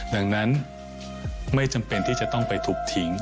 ดังนั้นไม่จำเป็นที่จะต้องไปถูกทิ้ง